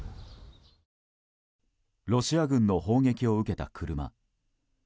ロシア軍の砲撃を受けた車。